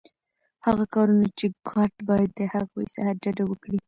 هغه کارونه چي ګارډ باید د هغوی څخه ډډه وکړي.